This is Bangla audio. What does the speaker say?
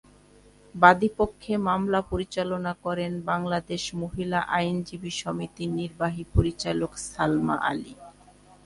বাদীপক্ষে মামলা পরিচালনা করেন বাংলাদেশ মহিলা আইনজীবী সমিতির নির্বাহী পরিচালক সালমা আলী।